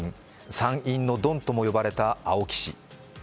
参院のドンとも呼ばれた青木氏。